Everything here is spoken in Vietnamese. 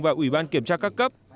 và ủy ban kiểm tra các cấp